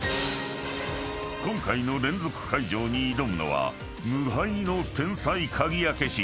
［今回の連続解錠に挑むのは無敗の天才鍵開け師］